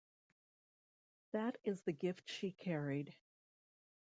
That is the gift she carried.